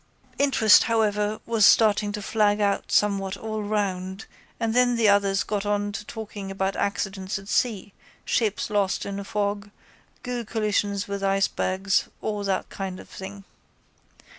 Interest, however, was starting to flag somewhat all round and then the others got on to talking about accidents at sea, ships lost in a fog, collisions with icebergs, all that sort of thing.